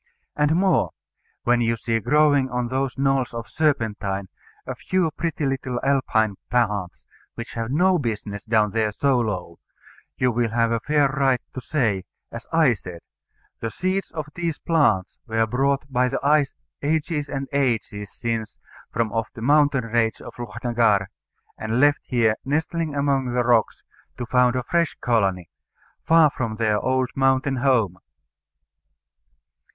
And more: When you see growing on those knolls of serpentine a few pretty little Alpine plants, which have no business down there so low, you will have a fair right to say, as I said, "The seeds of these plants were brought by the ice ages and ages since from off the mountain range of Lochnagar, and left here, nestling among the rocks, to found a fresh colony, far from their old mountain home."